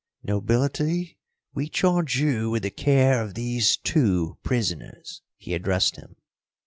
"Nobility, we charge you with the care of these two prisoners," he addressed him.